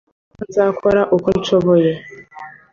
Namubwiye ko nzakora uko nshoboye